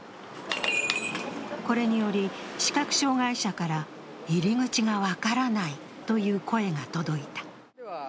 これにより、視覚障害者から入り口が分からないという声が届いた。